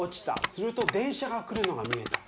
すると電車が来るのが見えた。